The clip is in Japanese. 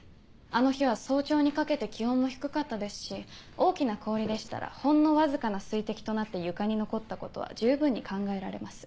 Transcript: あの日は早朝にかけて気温も低かったですし大きな氷でしたらほんのわずかな水滴となって床に残ったことは十分に考えられます。